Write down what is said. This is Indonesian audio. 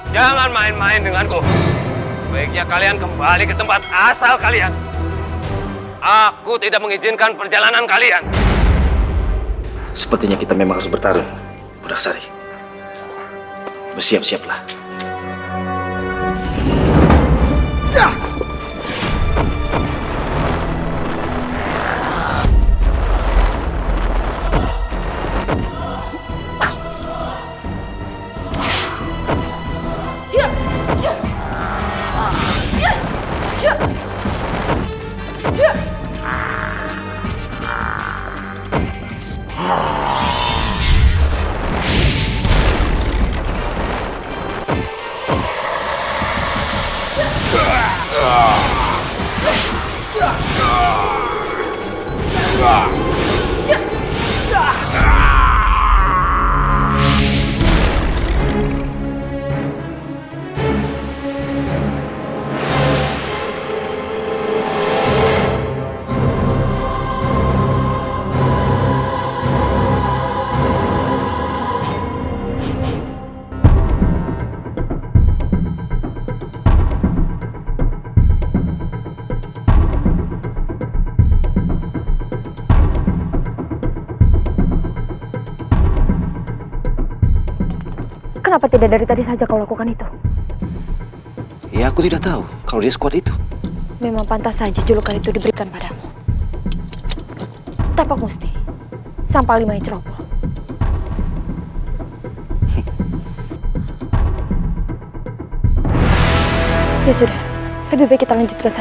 jangan main main denganku sebaiknya kalian kembali ke tempat asal kalian aku tidak mengizinkan